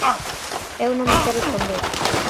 Eu non me quero esconder.